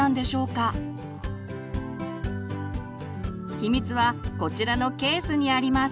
秘密はこちらのケースにあります。